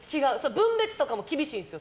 分別とかも厳しいんですよ